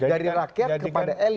dari rakyat kepada elit